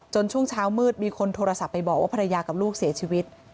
ช่วงเช้ามืดมีคนโทรศัพท์ไปบอกว่าภรรยากับลูกเสียชีวิต